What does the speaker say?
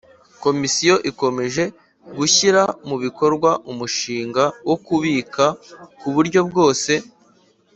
Komisiyo ikomeje gushyira mu bikorwa umushinga wo kubika ku buryo bwose